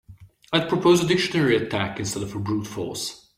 I'd propose a dictionary attack instead of brute force.